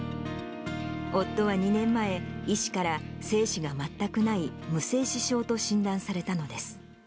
夫は２年前、医師から精子が全くない無精子症と診断されたのです。